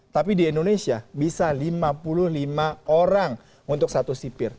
tapi di indonesia bisa lima puluh lima orang untuk satu sipir